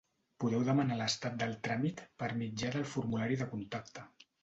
Podeu demanar l'estat del tràmit per mitjà del formulari de contacte.